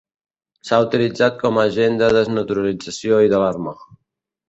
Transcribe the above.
S'ha utilitzat com a agent de desnaturalització i d'alarma.